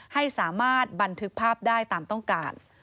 ให้สามารถบันทึกภาพได้ตามต้องการ